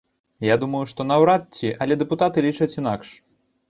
Я думаю, што наўрад ці, але дэпутаты лічаць інакш.